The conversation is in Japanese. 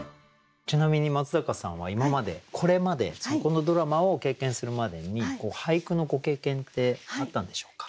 ちなみに松坂さんは今までこれまでこのドラマを経験するまでに俳句のご経験ってあったんでしょうか？